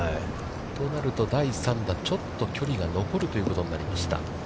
となると、第３打、ちょっと距離が残るということになりました。